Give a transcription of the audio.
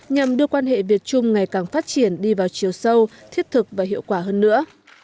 nhằm đưa quan hệ việt trung ngày càng phát triển đi vào chiều sâu thiết thực và hiệu quả hơn nữa